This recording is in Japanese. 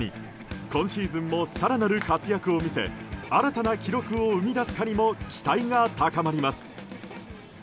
今シーズンも更なる活躍を見せ新たな記録を生み出すかにも期待が高まります。